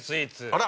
あら！